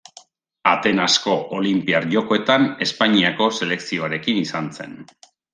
Atenasko Olinpiar Jokoetan Espainiako selekzioarekin izan zen.